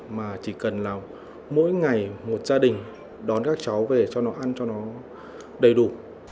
mà chỉ cần là mỗi ngày một gia đình đón các cháu về cho nó ăn cho nó đầy đủ